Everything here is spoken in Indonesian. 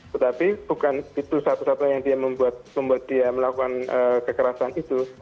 tetapi bukan itu satu satunya yang membuat dia melakukan kekerasan itu